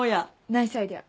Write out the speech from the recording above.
ナイスアイデア。